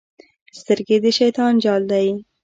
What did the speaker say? سترګې د شیطان جال دی.